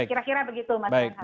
kira kira begitu mas